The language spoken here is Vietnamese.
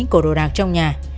của đồ đạc trong nhà